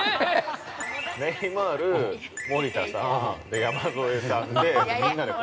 ネイマール、森田さん、山添さんで、みんなで。